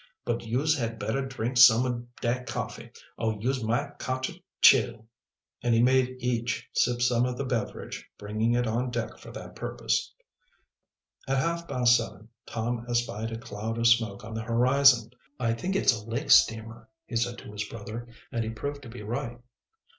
"But youse had bettah drink sum ob dat coffee, or youse might cotch a chill." And he made each sip some of the beverage, bringing it on deck for that purpose. At half past seven Tom espied a cloud of smoke on the horizon. "I think it's a lake steamer," he said to his brother, and he proved to be right.